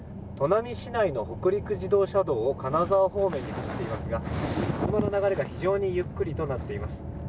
砺波市内の北陸自動車道を、金沢方面に走っていますが、車の流れが非常にゆっくりになっています。